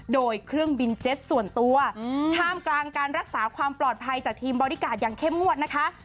โดยเครื่องบินเจ็ตส่วนตัวท่ามกลางการรักษาความปลอดภัยจากทีมบอดี้การ์ดอย่างเข้มงวดนะคะ